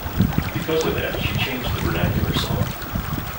Because of that she changed the vernacular song.